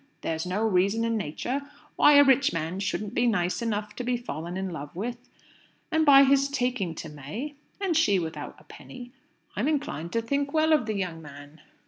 There's no reason in nature why a rich man shouldn't be nice enough to be fallen in love with. And by his taking to May and she without a penny I'm inclined to think well of the young man."